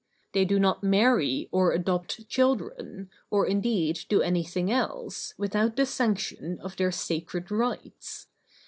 They do not marry or adopt children, or indeed do anything else, without the sanction of their sacred rites.